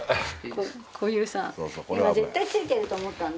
こういうさ今絶対ついてると思ったんだ。